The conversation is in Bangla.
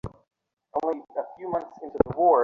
নানা চিন্তা করিয়া চাকরির চেষ্টায় বাহির হইল।